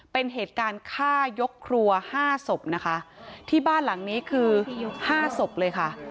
เป็นเหตุการณ์ฆ่ายกครัวห้าศพนะคะที่บ้านหลังนี้คือห้าศพเลยค่ะ